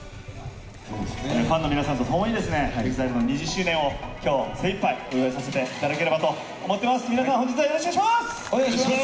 ファンの皆さんと共にですね、ＥＸＩＬＥの２０周年を、きょう精いっぱい、お祝いさせていただければと思ってます。